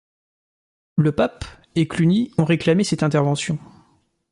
Le pape et Cluny ont réclamé cette intervention.